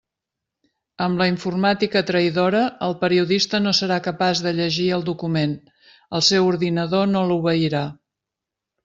Amb la informàtica traïdora, el periodista no serà capaç de llegir el document, el seu ordinador no l'obeirà.